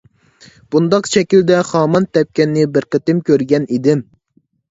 بۇنداق شەكىلدە خامان تەپكەننى بىر قېتىم كۆرگەن ئىدىم.